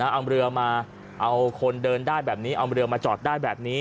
เอาเรือมาเอาคนเดินได้แบบนี้เอาเรือมาจอดได้แบบนี้